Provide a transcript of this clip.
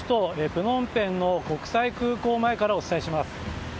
プノンペンの国際空港前からお伝えします。